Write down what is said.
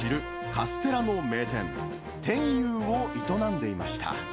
カステラの名店、天佑を営んでいました。